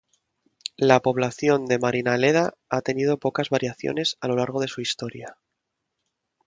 La población de Marinaleda ha tenido pocas variaciones a lo largo de su historia.